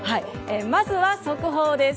まずは速報です。